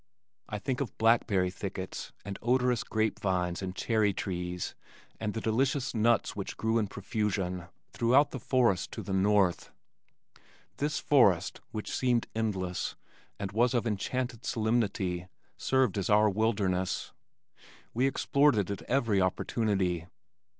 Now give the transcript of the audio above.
I think of blackberry thickets and odorous grapevines and cherry trees and the delicious nuts which grew in profusion throughout the forest to the north. This forest which seemed endless and was of enchanted solemnity served as our wilderness. We explored it at every opportunity.